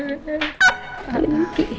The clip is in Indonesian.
enggak enggak enggak